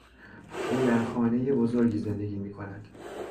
او در خانهی بزرگی زندگی میکند.